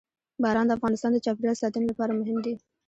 باران د افغانستان د چاپیریال ساتنې لپاره مهم دي.